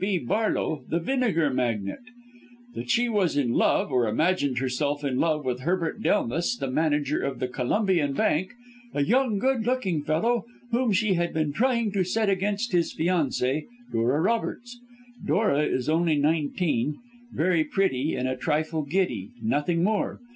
B. Barlow, the vinegar magnate; that she was in love, or imagined herself in love with Herbert Delmas, the manager of the Columbian Bank a young, good looking fellow, whom she had been trying to set against his fiancée, Dora Roberts. Dora is only nineteen, very pretty and a trifle giddy nothing more.